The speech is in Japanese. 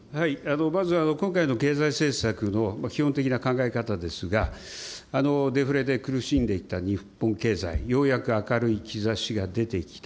まず今回の経済政策の基本的な考え方ですが、デフレで苦しんでいた日本経済、ようやく明るい兆しが出てきた。